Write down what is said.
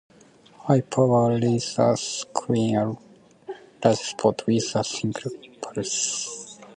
High power lasers clean a large spot with a single pulse.